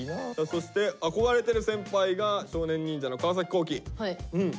そして憧れてる先輩が少年忍者の川皇輝。